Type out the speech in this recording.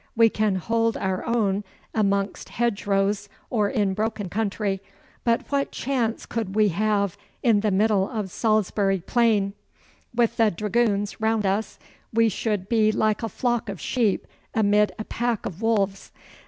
We can hold our own amongst hedgerows or in broken country, but what chance could we have in the middle of Salisbury Plain? With the dragoons round us we should be like a flock of sheep amid a pack of wolves.